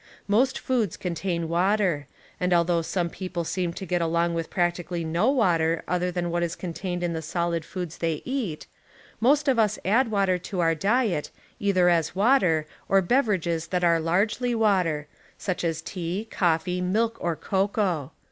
Most foods contain water, and although some people seem to get ™, along with practically no water other than Water .'^./.,",.,^ i is contained in the solid toocis they eat, most of us add water to our diet cither as water or beverages tliat are largely water, such as tea, coffee, milk or cocoa.